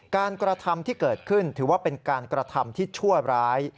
กระทำที่เกิดขึ้นถือว่าเป็นการกระทำที่ชั่วร้าย